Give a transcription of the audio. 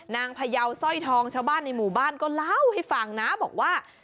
พยาวสร้อยทองชาวบ้านในหมู่บ้านก็เล่าให้ฟังนะบอกว่า